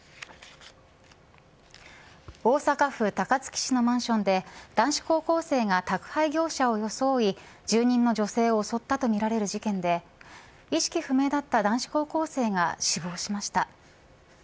大阪府高槻市のマンションで男子高校生が宅配業者を装い住人の女性を襲ったとみられる事件で意識不明だった男子高校生が死亡しました。